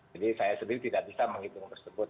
jadi saya sendiri tidak bisa menghitung tersebut